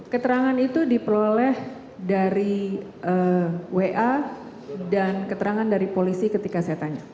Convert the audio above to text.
keterangan itu diperoleh dari wa dan keterangan dari polisi ketika saya tanya